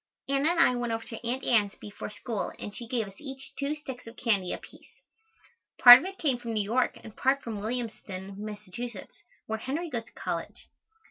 Anna and I went over to Aunt Ann's before school and she gave us each two sticks of candy apiece. Part of it came from New York and part from Williamstown, Mass., where Henry goes to college.